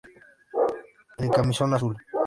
El Camisón Azul.